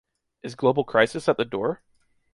Is global crisis at the door?